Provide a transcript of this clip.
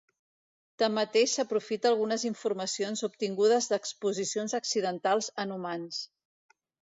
Tanmateix s'aprofita algunes informacions obtingudes d'exposicions accidentals en humans.